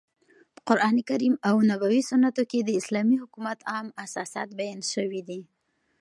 په قرانکریم او نبوي سنتو کښي د اسلامي حکومت عام اساسات بیان سوي دي.